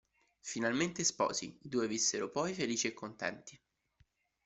Finalmente sposi, i due vissero poi felici e contenti.